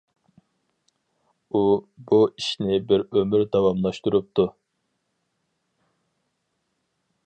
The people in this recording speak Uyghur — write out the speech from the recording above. ئۇ، بۇ ئىشنى بىر ئۆمۈر داۋاملاشتۇرۇپتۇ.